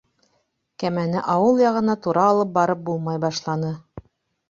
Кәмәне ауыл яғына тура алып барып булмай башланы.